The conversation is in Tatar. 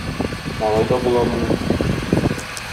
Алай да буламыни?